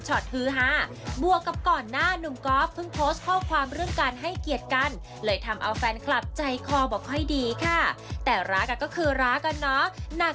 ส่วนหนึ่งเจ้าตัวมั่นใจเป็น